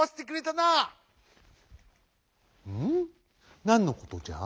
なんのことじゃ？